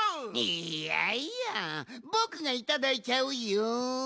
いやいやぼくがいただいちゃうよん！